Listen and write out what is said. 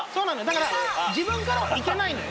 だから自分からはいけないのよ。